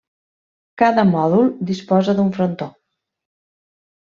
Cada mòdul disposa d'un frontó.